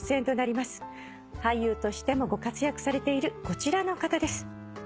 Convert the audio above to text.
俳優としてもご活躍されているこちらの方です。